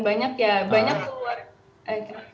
dan banyak ya banyak keluar